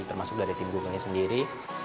termasuk dari tim google nya sendiri